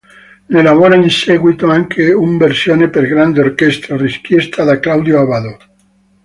Ne elabora in seguito anche un versione per grande orchestra, richiesta da Claudio Abbado.